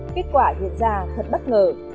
kết quả hiện ra thật bất ngờ